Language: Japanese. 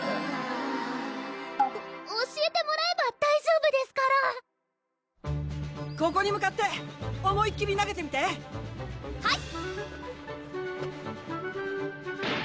お教えてもらえば大丈夫ですからここに向かって思いっきり投げてみてはい！